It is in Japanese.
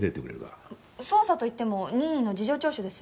捜査といっても任意の事情聴取ですよね？